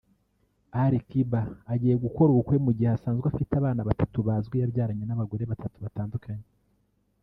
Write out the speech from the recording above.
Ali Kiba agiye gukora ubukwe mu gihe asanzwe afite abana batatu bazwi yabyaranye n’abagore batatu batandukanye